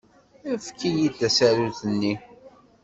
Efk-iyi-d tasarut-nni.